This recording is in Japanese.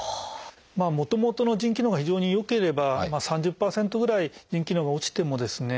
もともとの腎機能が非常に良ければ３０％ぐらい腎機能が落ちてもですね